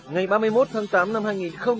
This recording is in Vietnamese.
ngày ba mươi một tháng tám năm hai nghìn một mươi một